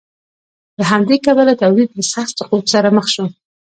له همدې کبله تولید له سخت سقوط سره مخ شو